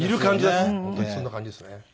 本当にそんな感じですね。